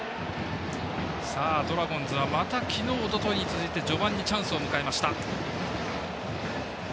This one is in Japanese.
ドラゴンズはまた昨日、おとといに続いて序盤にチャンスを迎えました。